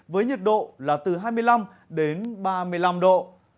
với nhiệt độ là từ hai mươi năm đến ba mươi năm độ